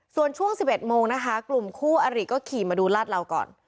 ส่วนช่วง๑๑โมงนะคะกลุ่มคู่อริก็ขี่มาดูลาดเหลาก่อน